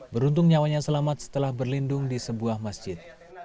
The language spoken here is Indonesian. beruntung nyawanya selamat setelah berlindung di sebuah masjid